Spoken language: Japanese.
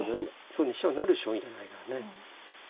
飛車を成る将棋じゃないからね。